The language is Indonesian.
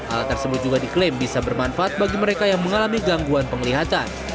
alat tersebut juga diklaim bisa bermanfaat bagi mereka yang mengalami gangguan penglihatan